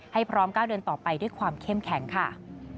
พร้อมก้าวเดินต่อไปด้วยความเข้มแข็งค่ะ